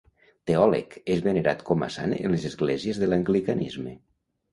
Teòleg, és venerat com a sant en les esglésies de l'anglicanisme.